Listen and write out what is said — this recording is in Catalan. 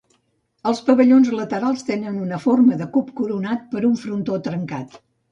Els pavellons laterals tenen forma de cub coronat per un frontó trencat.